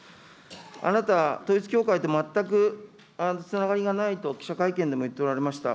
あなた、統一教会と全くつながりがないと記者会見でも言っておられました。